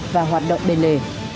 hai nghìn hai mươi và hoạt động bền lề